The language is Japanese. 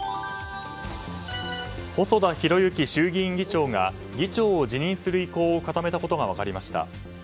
細田博之衆議院議長が議長を辞任する意向を固めたことが分かりました。